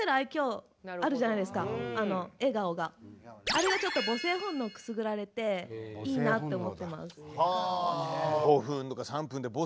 あれがちょっと母性本能くすぐられていいなと思ってます。